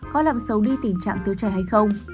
có làm xấu đi tình trạng tiêu chảy hay không